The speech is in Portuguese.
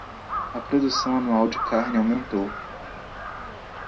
A produção anual de carne aumentou